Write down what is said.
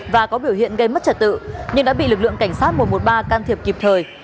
và có biểu hiện gây mất trật tự nhưng đã bị lực lượng cảnh sát một trăm một mươi ba can thiệp kịp thời